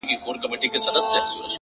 د رنگونو په اورونو کي يې ساه ده;